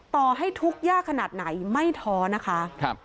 ต่อให้ทุกข์ยากขนาดไหนไม่ท้อนะคะ